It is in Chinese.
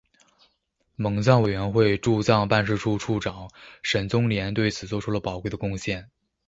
蒙藏委员会驻藏办事处处长沈宗濂对此作出了宝贵的贡献。